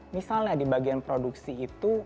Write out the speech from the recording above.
misalnya di bagian produksi itu